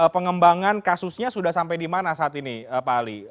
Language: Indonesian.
pengembangan kasusnya sudah sampai di mana saat ini pak ali